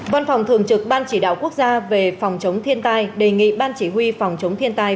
văn phòng thường trực ban chỉ đạo quốc gia về phòng chống thiên tai đề nghị ban chỉ huy phòng chống thiên tai